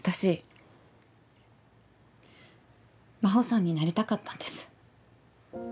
真帆さんになりたかったんです。